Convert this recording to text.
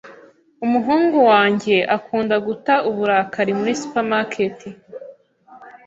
Umuhungu wanjye akunda guta uburakari muri supermarket.